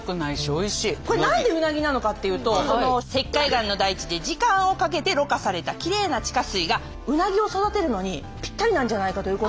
これ何でうなぎなのかっていうと石灰岩の大地で時間をかけてろ過されたきれいな地下水がうなぎを育てるのにぴったりなんじゃないかということで。